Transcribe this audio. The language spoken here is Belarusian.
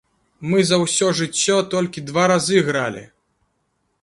Мы за ўсё жыццё толькі два разы гралі.